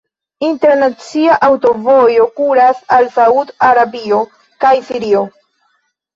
Internacia aŭtovojo kuras al Saud-Arabio kaj Sirio.